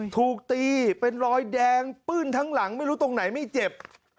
ถูกตีเป็นรอยแดงปื้นทั้งหลังไม่รู้ตรงไหนไม่เจ็บ